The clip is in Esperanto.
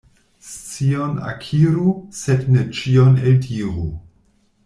Scion akiru, sed ne ĉion eldiru.